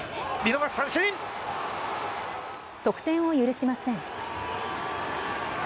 得点を許しません。